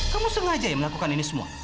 kamu sengaja ya melakukan ini semua